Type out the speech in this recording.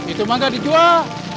itu mah gak dijual